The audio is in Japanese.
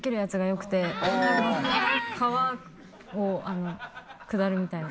川を下るみたいな。